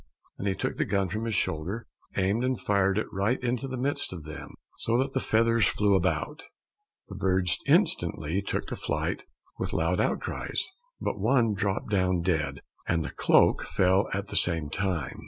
and he took the gun from his shoulder, aimed and fired right into the midst of them, so that the feathers flew about. The birds instantly took to flight with loud outcries, but one dropped down dead, and the cloak fell at the same time.